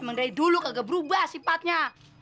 yang dari dulu kagak berubah sifatnya